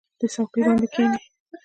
دې څوکۍ باندې کېنئ.